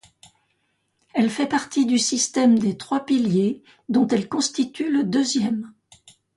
Elle fait partie du système des trois piliers, dont elle constitue le deuxième.